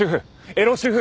エロ主婦。